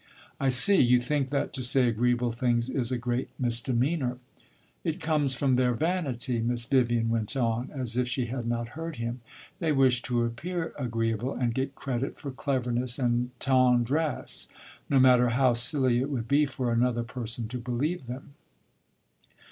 "I see: you think that to say agreeable things is a great misdemeanor." "It comes from their vanity," Miss Vivian went on, as if she had not heard him. "They wish to appear agreeable and get credit for cleverness and tendresse, no matter how silly it would be for another person to believe them."